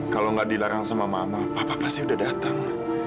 kalo gak dilarang sama mama papa pasti udah datang